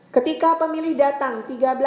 ketika pemilih datang